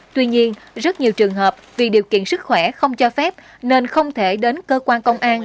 tuy nhiên rất nhiều trường hợp vì điều kiện sức khỏe không cho phép nên không thể đến cơ quan công an